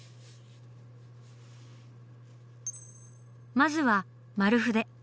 まずは丸筆。